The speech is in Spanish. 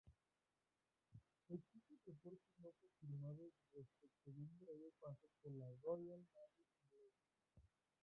Existen reportes no confirmados respecto de un breve paso por la Royal Navy inglesa.